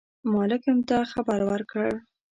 مالکم ته خبر ورکړ.